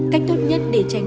cách tốt nhất để tránh